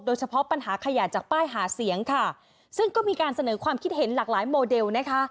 เฉพาะปัญหาขยะจากป้ายหาเสียงค่ะซึ่งก็มีการเสนอความคิดเห็นหลากหลายโมเดลนะคะ